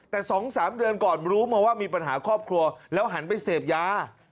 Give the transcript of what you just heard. แต่๒๓เดือนก่อนรู้มาว่ามีปัญหาครอบครัวแล้วหันไปเสพยา